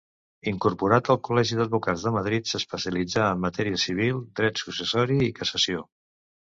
Incorporat al Col·legi d'Advocats de Madrid, s'especialitzà en matèria civil, dret successori i cassació.